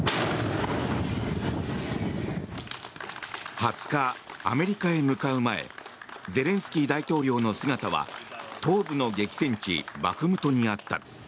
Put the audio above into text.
２０日、アメリカへ向かう前ゼレンスキー大統領の姿は東部の激戦地バフムトにあった。